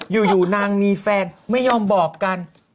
อยู่นางมีแฟนไม่ยอมบอกกัน